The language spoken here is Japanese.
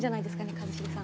一茂さん。